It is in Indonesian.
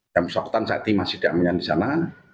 jam soktan saat ini masih diamankan di sana